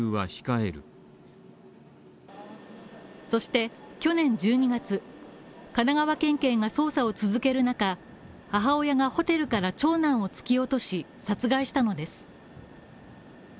そして、去年１２月神奈川県警が捜査を続ける中、母親がホテルから長男を突き落とし殺害したのです。